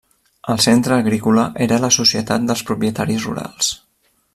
El Centre Agrícola era la societat dels propietaris rurals.